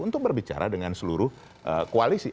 untuk berbicara dengan seluruh koalisi